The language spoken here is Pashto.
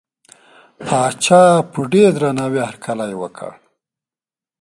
پاچا په ډېر درناوي هرکلی وکړ.